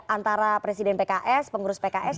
antara presiden pks pengurus pks